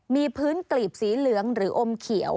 มีพื้นกลีบสีเหลืองหรืออมเขียว